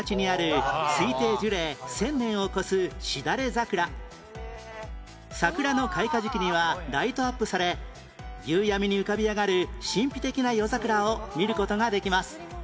三春町にある桜の開花時期にはライトアップされ夕闇に浮かび上がる神秘的な夜桜を見る事ができます